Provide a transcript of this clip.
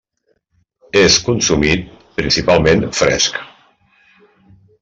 És consumit principalment fresc.